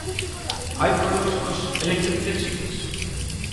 ¿Hai problemas coas electrointensivas?